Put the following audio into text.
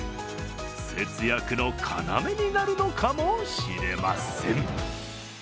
節約の要になるのかもしれません。